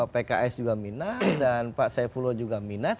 pks juga minat dan pak saifullah juga minat